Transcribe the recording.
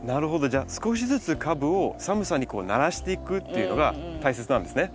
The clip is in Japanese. じゃあ少しずつ株を寒さに慣らしていくっていうのが大切なんですね。